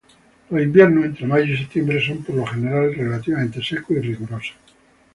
Los inviernos —entre mayo y septiembre— son por lo general relativamente secos y rigurosos.